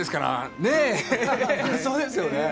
あっそうですよね。